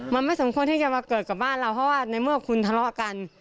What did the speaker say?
มันไม่สมควรที่จะมาเกิดกับบ้านเราเพราะว่าในเมื่อคุณทะเลาะกัน